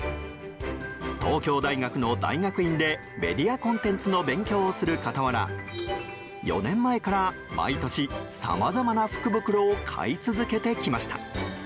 東京大学の大学院でメディアコンテンツの勉強をする傍ら４年前から毎年さまざまな福袋を買い続けてきました。